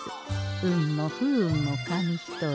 運も不運も紙一重。